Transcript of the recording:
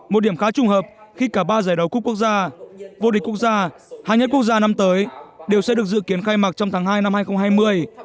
một điểm khá trùng hợp khi cả ba giải đấu quốc gia vô địch quốc gia hàng nhất quốc gia năm tới đều sẽ được dự kiến khai mạc trong tháng hai năm hai nghìn hai mươi